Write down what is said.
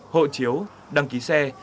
hộ chiếu đăng ký xe